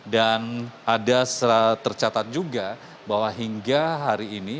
dan ada tercatat juga bahwa hingga hari ini